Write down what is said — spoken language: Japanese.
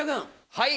はい。